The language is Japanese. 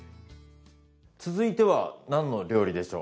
続いては何の料理でしょう？